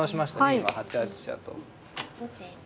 今８八飛車と。